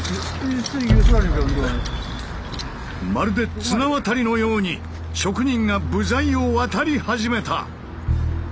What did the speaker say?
まるで綱渡りのように職人が部材を渡り始めた。